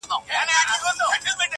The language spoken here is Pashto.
ما دي ویلي کله؟ قبر نایاب راکه؟